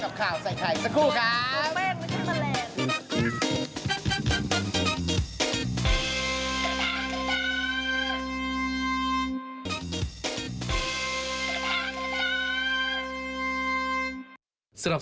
กับข่าวใส่ใครสักครู่ครับ